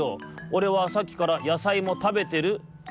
おれはさっきからやさいもたべてるつもり」。